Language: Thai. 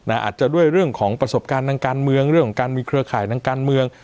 อาจจะด้วยเรื่องของประสบการณ์ทางการเมืองเรื่องของการมีเครือข่ายทางการเมือง